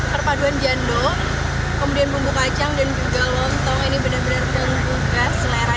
perpaduan jando kemudian bumbu kacang dan juga lontong ini benar benar menggugah selera